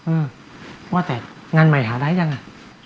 เออว่าแต่งานใหม่หาได้ยังอ่ะ